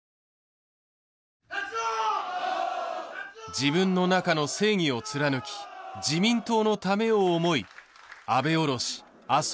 自分の中の正義を貫き自民党のためを思い安倍おろし麻生